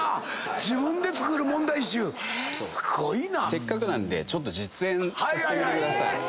せっかくなんでちょっと実演させてください。